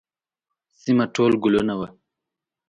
سیمه ټول ګلونه وه.